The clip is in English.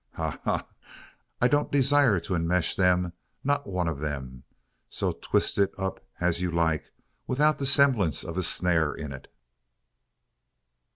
Ha! ha! ha! I don't desire to enmesh them not one of them! So twist it up as you like without the semblance of a snare in it."